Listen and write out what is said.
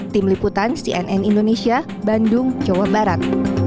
tim liputan cnn indonesia bandung jawa barat